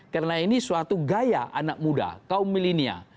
karena ini suatu gaya anak muda kaum milenia